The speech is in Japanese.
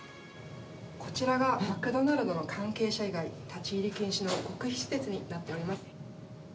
こちらがマクドナルドの関係者以外立ち入り禁止の極秘施設になっております。